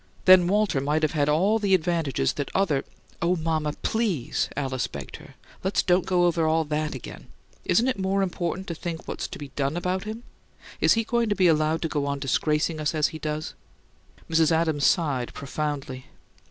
Then Walter might have had all the advantages that other " "Oh, mama, PLEASE!" Alice begged her. "Let's don't go over all that again. Isn't it more important to think what's to be done about him? Is he going to be allowed to go on disgracing us as he does?" Mrs. Adams sighed profoundly.